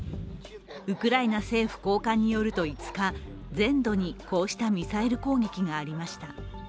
ウクライナ政府高官によると５日、全土にこうしたミサイル攻撃がありました。